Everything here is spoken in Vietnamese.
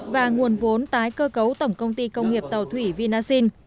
và nguồn vốn tái cơ cấu tổng công ty công nghiệp tàu thủy vinasin